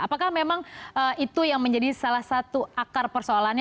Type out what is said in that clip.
apakah memang itu yang menjadi salah satu akar persoalannya